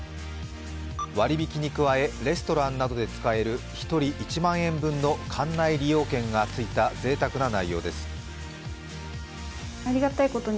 割引きに加え、レストランなどで使える、１人１万円の館内利用券がついた、ぜいたくな内容です。